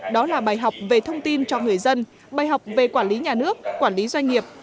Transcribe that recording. đó là bài học về thông tin cho người dân bài học về quản lý nhà nước quản lý doanh nghiệp